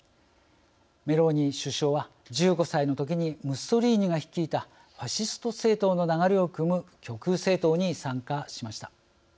メローニ首相は１５歳の時にムッソリーニが率いたファシスト政党の流れをくむ極右政党に参加しました。